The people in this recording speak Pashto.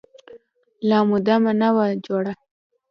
لا مو دمه نه وه جوړه.